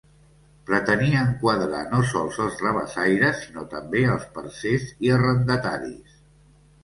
Pretenia enquadrar no sols els rabassaires sinó també els parcers i arrendataris.